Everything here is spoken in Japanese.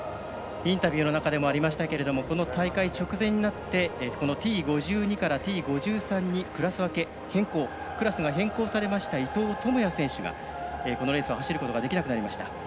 インタビューの中でもありましたけれどもこの大会直前になってＴ５２からＴ５３にクラス分け変更されました伊藤智也選手がこのレースを走ることができなくなりました。